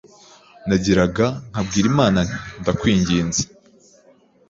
nagiraga nkabwira Imana nti ndakwinginze